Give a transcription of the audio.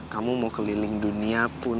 kamu mau keliling dunia pun